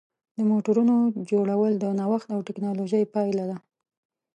د موټرونو جوړول د نوښت او ټېکنالوژۍ پایله ده.